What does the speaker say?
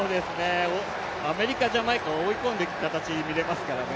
アメリカ、ジャマイカを追い込んでいく形が見られますからね。